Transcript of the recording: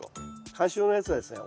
観賞用のやつはですね